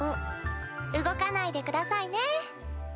動かないでくださいね！